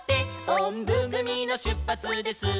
「おんぶぐみのしゅっぱつです」